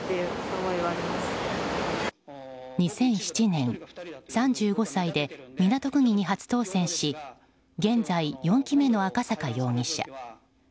２００７年３５歳で港区議に初当選し現在４期目の赤坂容疑者。